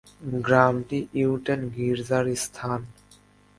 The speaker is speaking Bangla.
গ্রামটি উটেন গির্জার স্থান।